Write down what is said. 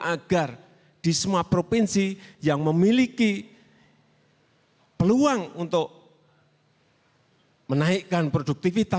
agar di semua provinsi yang memiliki peluang untuk menaikkan produktivitas